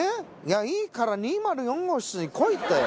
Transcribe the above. いいから２０４号室に来いって。